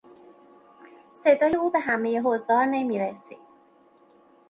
صدای او به همهی حضار نمیرسید.